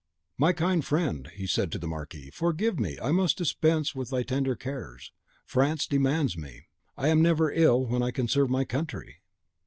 "My kind friend," he said to the Marquise, "forgive me; I must dispense with thy tender cares. France demands me. I am never ill when I can serve my country!"